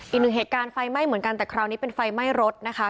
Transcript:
อีกหนึ่งเหตุการณ์ไฟไหม้เหมือนกันแต่คราวนี้เป็นไฟไหม้รถนะคะ